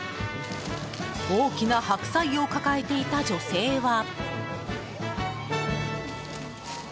大きな白菜を抱えていた女性は。